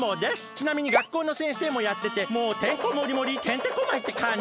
ちなみに学校の先生もやっててもうてんこもりもりてんてこまいってかんじ。